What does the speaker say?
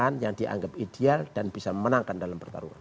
pasangan yang dianggap ideal dan bisa memenangkan dalam pertarungan